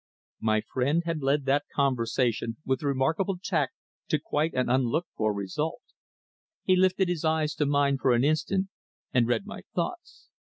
My friend had led that conversation with remarkable tact to quite an unlooked for result. He lifted his eyes to mine for an instant and read my thoughts.